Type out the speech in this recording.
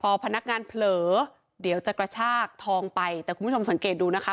พอพนักงานเผลอเดี๋ยวจะกระชากทองไปแต่คุณผู้ชมสังเกตดูนะคะ